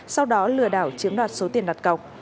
sau đó lừa đảo chiếm đoạt số tiền đặt cọc